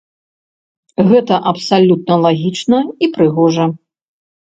Гэта абсалютна лагічна і прыгожа.